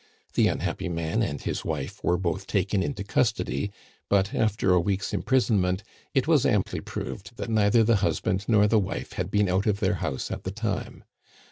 The unhappy man and his wife were both taken into custody; but, after a week's imprisonment, it was amply proved that neither the husband nor the wife had been out of their house at the time.